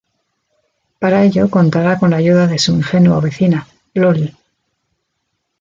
Para ello contará con la ayuda de su ingenua vecina "Loli".